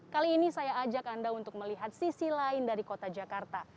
kali ini saya ajak anda untuk melihat sisi lain dari kota jakarta